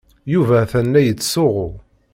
Yuba atan la yettsuɣu.